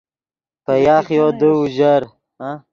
پے یاخیو دے اوژر